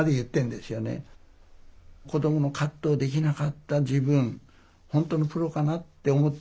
子どものカットをできなかった自分ほんとのプロかなって思った。